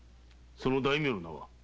その大名の名は？